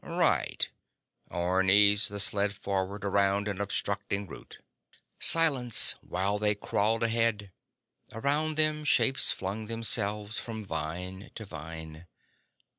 "Right." Orne eased the sled forward around an obstructing root. Silence while they crawled ahead. Around them shapes flung themselves from vine to vine.